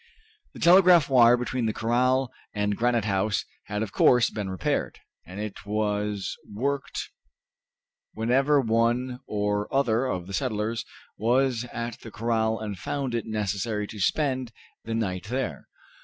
The telegraphic wire between the corral and Granite House had of course been repaired, and it was worked whenever one or other of the settlers was at the corral and found it necessary to spend the night there.